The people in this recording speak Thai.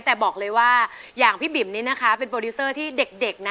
แต่บอกเลยว่าอย่างพี่บิ๋มนี้นะคะเป็นโปรดิวเซอร์ที่เด็กนะ